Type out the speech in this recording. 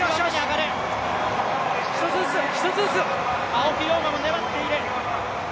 青木涼真も粘っている。